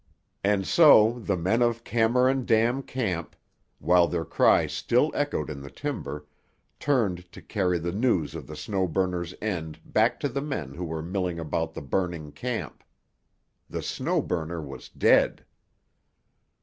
And so the men of Cameron Dam Camp, while their cry still echoed in the timber, turned to carry the news of the Snow Burner's end back to the men who were milling about the burning camp. The Snow Burner was dead!